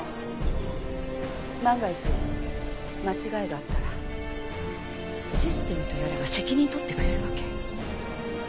万が一間違いがあったらシステムとやらが責任取ってくれるわけ？